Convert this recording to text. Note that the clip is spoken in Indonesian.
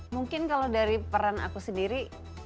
mungkin kalau dari peran aku sendiri